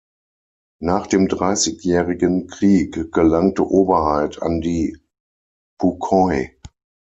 Nach dem Dreißigjährigen Krieg gelangte Oberhaid an die Buquoy.